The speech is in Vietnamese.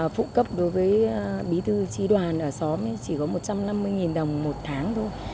phụ cấp đối với bí thư tri đoàn ở xóm chỉ có một trăm năm mươi đồng một tháng thôi